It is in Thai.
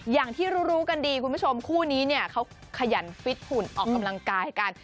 อย่างที่รู้กันดีคุณผู้ชมคู่นี้เนี่ยเขาขยันฟิตหุ่นออกกำลังกายกัน